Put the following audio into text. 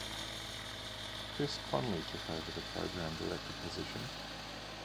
Chris Conley took over the Program Director Position.